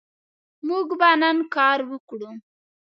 موږ به نن کار وکړو